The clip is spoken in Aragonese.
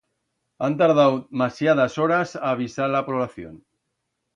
Han tardau masiadas horas a avisar a la población.